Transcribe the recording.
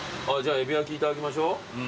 えび焼きいただきましょう。